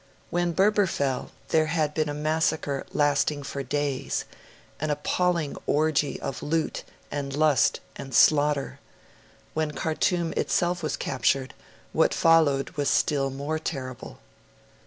When Berber fell, there had been a massacre lasting for days an appalling orgy of loot and lust and slaughter; when Khartoum itself was captured, what followed was still more terrible.